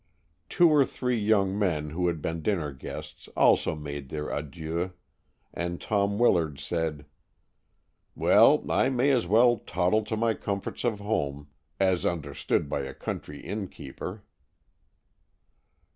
Two or three young men who had been dinner guests also made their adieux, and Tom Willard said, "Well, I may as well toddle to my comforts of home, as understood by a country innkeeper."